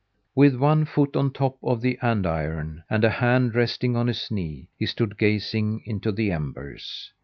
With one foot on top of the andiron and a hand resting on his knee, he stood gazing into the embers.